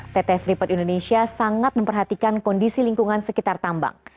pt freeport indonesia sangat memperhatikan kondisi lingkungan sekitar tambang